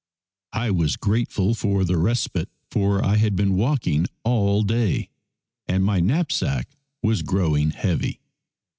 I was grateful for the respite, for I had been walking all day and my knapsack was growing heavy.